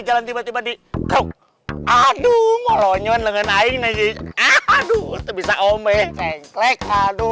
jalan tiba tiba di aduk ngolonyon dengan aina gini aduh bisa omeng cek aduh